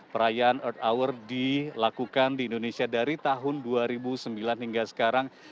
perayaan earth hour dilakukan di indonesia dari tahun dua ribu sembilan hingga sekarang